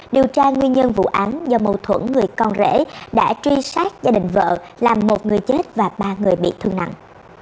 điều tra nguyên nhân vụ án do mâu thuẫn người con rể đã truy sát gia đình vợ làm một người chết và ba người bị thương nặng